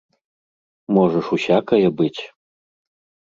Можа ж усякае быць.